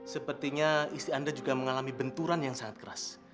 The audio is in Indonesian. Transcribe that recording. sepertinya istri anda juga mengalami benturan yang sangat keras